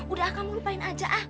udah kamu lupain aja ah